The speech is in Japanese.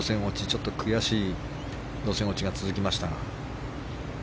ちょっと悔しい予選落ちが続きましたが。